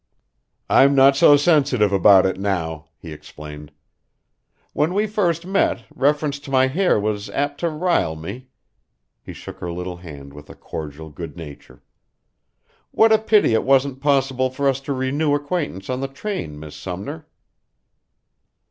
"I'm not so sensitive about it now," he explained. "When we first met, reference to my hair was apt to rile me." He shook her little hand with cordial good nature. "What a pity it wasn't possible for us to renew acquaintance on the train, Miss Sumner!"